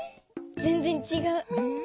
ぜんぜんちがう。